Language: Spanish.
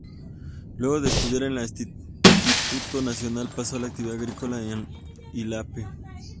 Luego de estudiar en el Instituto Nacional pasó a la actividad agrícola en Illapel.